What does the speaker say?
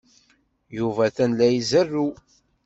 Yuba atan la izerrew.